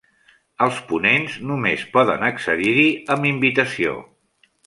Els ponents només poden accedir-hi amb invitació.